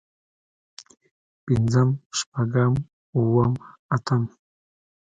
پنځم شپږم اووم اتم